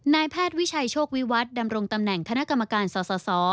นายแพทย์วิชัยโชควิวัฒน์ดำรงตำแหน่งคณะกรรมการสส